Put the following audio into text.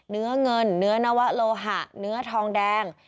เนื้อหรือเงินนวโณวะโลฮะหรือเนื้อทองแดง